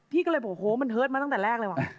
พี่ก็เลยบอกโหมันเฮิตมาตั้งแต่แรกเลยว่ะ